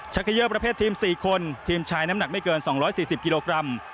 เคยอร์ประเภททีม๔คนทีมชายน้ำหนักไม่เกิน๒๔๐กิโลกรัม